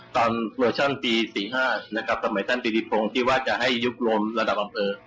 ตอนโลชั่นปี๔๕ต่อใหม่ตั้งปีดีพรงศ์ที่ว่าจะให้ยุคลมระดับอำเภอ